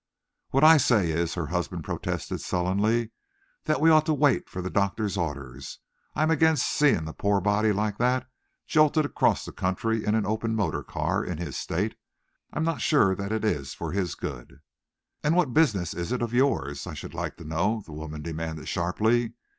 "What I say is," her husband protested sullenly, "that we ought to wait for the doctor's orders. I'm against seeing a poor body like that jolted across the country in an open motor car, in his state. I'm not sure that it's for his good." "And what business is it of yours, I should like to know?" the woman demanded sharply.